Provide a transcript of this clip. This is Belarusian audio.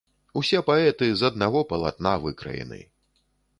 Усе паэты з аднаго палатна выкраены.